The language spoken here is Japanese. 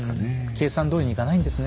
計算どおりにいかないんですね